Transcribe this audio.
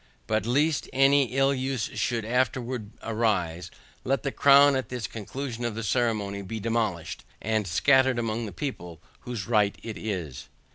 But lest any ill use should afterwards arise, let the crown at the conclusion of the ceremony be demolished, and scattered among the people whose right it is.